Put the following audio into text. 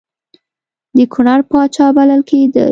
د کنړ پاچا بلل کېدی.